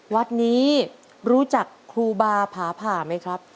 วัดนี้รู้จักครูบาผาผ่าไหมครับ